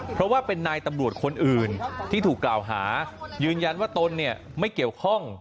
เพราะว่าเป็นนายตำรวจคนอื่นที่ถูกกล่าวหายืนยันว่าตนเนี่ยไม่เกี่ยวข้อง